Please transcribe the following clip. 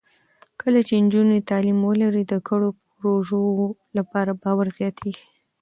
کله چې نجونې تعلیم ولري، د ګډو پروژو لپاره باور زیاتېږي.